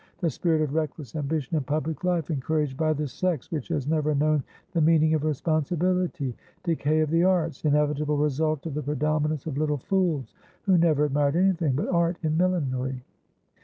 The spirit of reckless ambition in public life encouraged by the sex which has never known the meaning of responsibility. Decay of the artsinevitable result of the predominance of little fools who never admired anything but art in millinery.